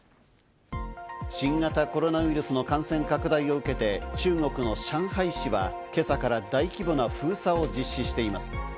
新型コロナウイルスの感染拡大を受けて、中国の上海市は今朝から大規模な封鎖を実施しています。